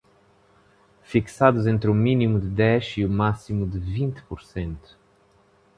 fixados entre o mínimo de dez e o máximo de vinte por cento